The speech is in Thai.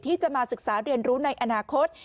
ที่จะมาศึกษาเรียนรู้ในอนาคต